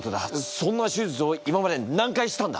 そんな手術を今まで何回したんだ？